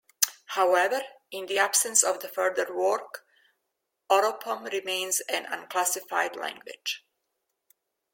However, in the absence of further work, Oropom remains an unclassified language.